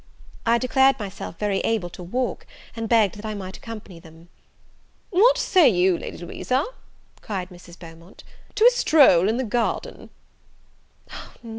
I declared myself very able to walk, and begged that I might accompany them. "What say you, Lady Louisa," cried Mrs. Beaumont, "to a stroll in the garden?"